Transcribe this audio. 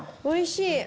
おいしい？